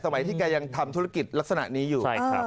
ที่แกยังทำธุรกิจลักษณะนี้อยู่